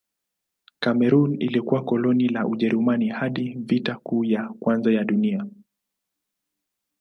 Kamerun ilikuwa koloni la Ujerumani hadi Vita Kuu ya Kwanza ya Dunia.